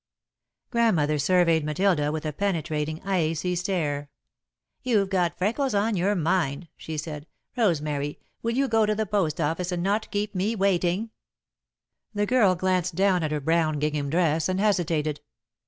Grandmother surveyed Matilda with a penetrating, icy stare. "You've got freckles on your mind," she said. "Rosemary, will you go to the post office and not keep me waiting?" The girl glanced at her brown gingham dress, and hesitated.